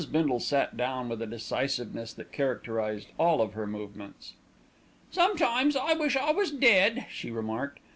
Bindle sat down with a decisiveness that characterised all her movements. "Sometimes I wish I was dead," she remarked.